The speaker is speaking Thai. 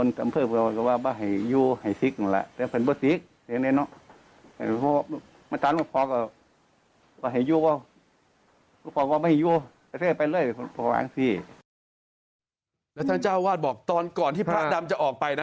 แล้วท่านเจ้าวาดบอกตอนก่อนที่พระดำจะออกไปนะ